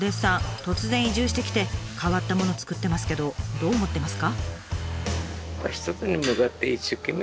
突然移住してきて変わったものつくってますけどどう思ってますか？